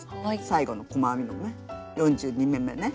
最後の細編みのね４２目めね。